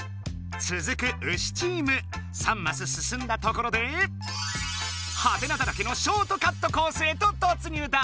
つづくウシチーム３マスすすんだところで「？」だらけのショートカットコースへととつ入だ！